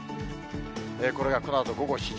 これがこのあと午後７時。